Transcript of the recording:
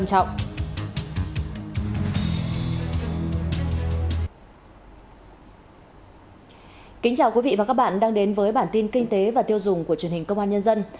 chào quý vị và các bạn đang đến với bản tin kinh tế và tiêu dùng của truyền hình công an nhân dân